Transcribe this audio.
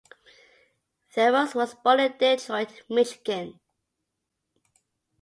Theroux was born in Detroit, Michigan.